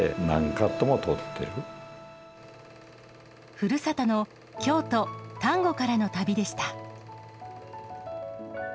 ふるさとの京都・丹後からの旅でした。